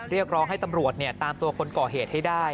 เรียกร้องให้ตำรวจตามตัวคนก่อเหตุให้ได้